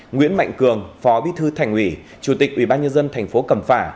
nguyễn mạnh cường phó bí thư thành uỷ chủ tịch ủy ban nhân dân tp cầm phả